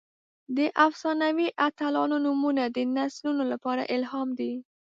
د افسانوي اتلانو نومونه د نسلونو لپاره الهام دي.